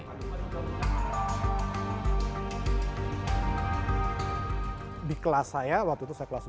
ketika menemukan keputusan untuk menemukan keputusan untuk menemukan keputusan untuk menemukan keputusan